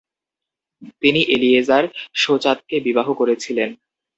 তিনি এলিয়েজার শোচাতকে বিবাহ করেছিলেন।